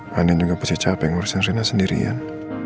manin juga pasti capek ngurusin rina sendirian